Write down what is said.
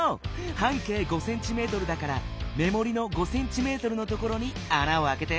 半径５ｃｍだからめもりの５ｃｍのところにあなをあけて。